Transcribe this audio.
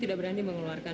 aku berada di atas tahta